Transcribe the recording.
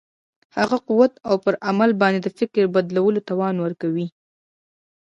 هغه قوت او پر عمل باندې د فکر بدلولو توان ورکوي.